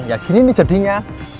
ya gini nih jadinya